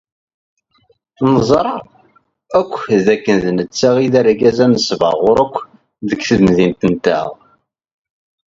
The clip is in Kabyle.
Neẓra akk dakken d netta ay d argaz anesbaɣur akk deg temdint-nteɣ.